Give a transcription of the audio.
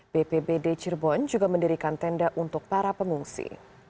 bpbd cirebon juga mendirikan tenda untuk para pengungsi